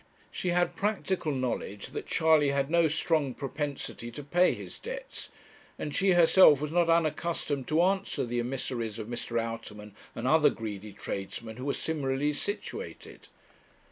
She had practical knowledge that Charley had no strong propensity to pay his debts, and she herself was not unaccustomed to answer the emissaries of Mr. Outerman and other greedy tradesmen who were similarly situated.